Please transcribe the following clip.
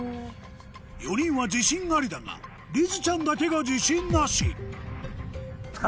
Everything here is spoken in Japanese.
４人は自信ありだがりづちゃんだけが自信なし使う？